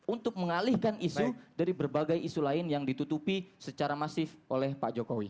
untuk mengalihkan isu dari berbagai isu lain yang ditutupi secara masif oleh pak jokowi